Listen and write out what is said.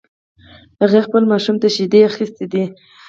هغې خپل ماشوم ته شیدي ده اخیستی ده